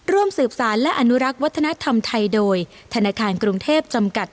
ร่วมสืบสารและอนุรักษ์วัฒนธรรมไทยโดยธนาคารกรุงเทพจำกัด